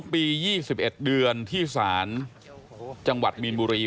ปี๒๑เดือนที่ศาลจังหวัดมีนบุรี